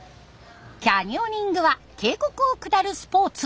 キャニオニングは渓谷を下るスポーツ。